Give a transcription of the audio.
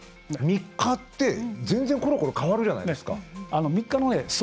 ３日って、全然ころころ変わるじゃないですか。